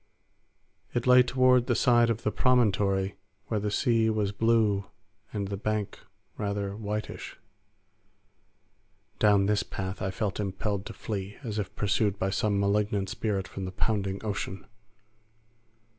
It lay toward the side of the promontory where the sea was blue and the bank rather whitish. Down this path I felt impelled to flee, as if pursued by some malignant spirit from the pounding ocean.